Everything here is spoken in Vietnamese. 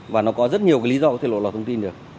và nó có rất nhiều cái lý do có thể lộ lọt thông tin được